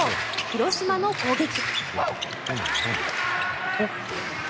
広島の攻撃。